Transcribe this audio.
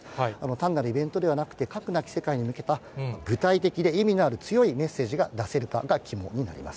単なるイベントではなくて、核なき世界に向けた、具体的で意味のある強いメッセージが出せるかが肝になります。